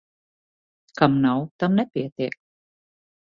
Kam nav, tam nepietiek.